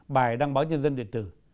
bài đăng báo nhân dân điện tử